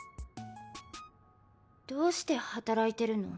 どうして働いてるの？